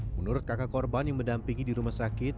menurut kakak korban yang mendampingi di rumah sakit